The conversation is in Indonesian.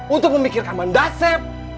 untuk memikirkan mandasep